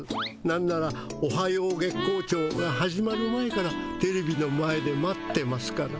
なんなら「おはよう月光町」が始まる前からテレビの前で待ってますから。